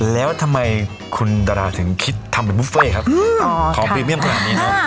แล้วทำไมคุณดาราถึงคิดทำเป็นบุฟเฟ่ครับของพรีเมียมขนาดนี้เนอะ